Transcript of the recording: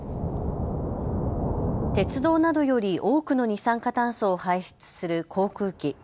鉄道などより多くの二酸化炭素を排出する航空機。